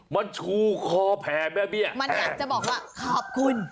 มันชูคอแผ่แม่เบี้ยมันอยากจะบอกว่าขอบคุณ